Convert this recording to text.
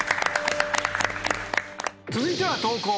続いては投稿！